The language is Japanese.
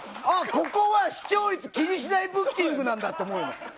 あっ、ここは視聴率気にしないブッキングなんだって思うよね。